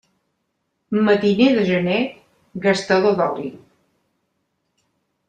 Matiner de gener, gastador d'oli.